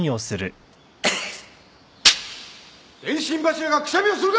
電信柱がくしゃみをするか！